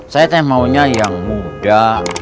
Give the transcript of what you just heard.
saya maunya yang muda